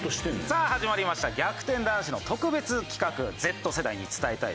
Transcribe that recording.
さあ始まりました『逆転男子』の特別企画Ｚ世代に伝えたい！